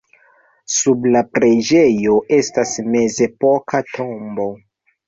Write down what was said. Sub la preĝejo estas mezepoka tombo.